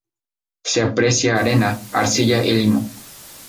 Se aprecia arena, arcilla y limo.